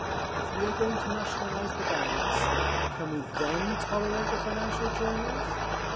If we are going to nationalise the banks, can we then tolerate the financial journals?